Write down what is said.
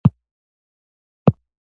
موږ د مقام پر بنسټ ارزونه کوو.